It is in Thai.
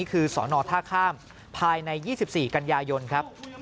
คือสอนอท่าข้ามภายใน๒๔กันยายนครับ